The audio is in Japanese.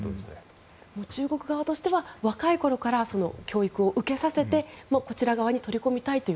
中国側としては若いころから教育を受けさせてこちら側に取り込みたいという。